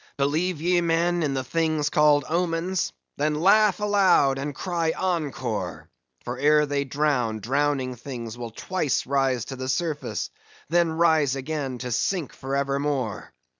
Believe ye, men, in the things called omens? Then laugh aloud, and cry encore! For ere they drown, drowning things will twice rise to the surface; then rise again, to sink for evermore.